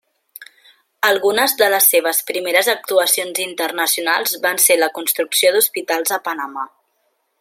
Algunes de les seves primeres actuacions internacionals van ser la construcció d'hospitals a Panamà.